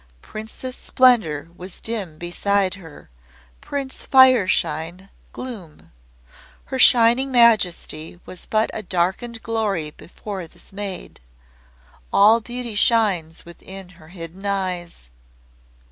Princess Splendour was dim beside her; Prince Fireshine, gloom! Her Shining Majesty was but a darkened glory before this maid. All beauty shines within her hidden eyes."